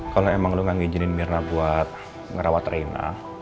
kalau emang lu gak ngijinin mirna buat ngerawat reina